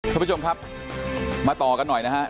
ท่านผู้ชมครับมาต่อกันหน่อยนะฮะ